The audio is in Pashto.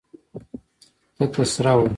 تکه سره وه.